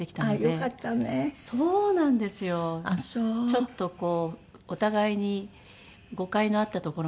ちょっとこうお互いに誤解のあったところも全部解けて。